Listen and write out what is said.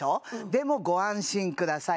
でもご安心ください